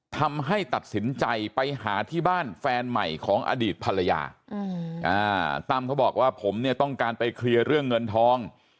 ทำให้ตัดสินใจไปหาที่บ้านแฟนใหม่ของอดีตภรรยาตั้มเขาบอกว่าผมเนี่ยต้องการไปเคลียร์เรื่องเงินทอง